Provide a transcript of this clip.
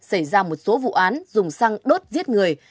xảy ra một số vụ án dùng xăng đốt giết người